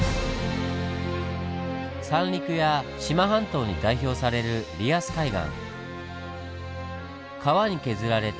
三陸や志摩半島に代表されるリアス海岸。